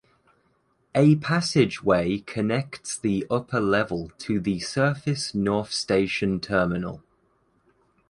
A passageway connects the upper level to the surface North Station terminal.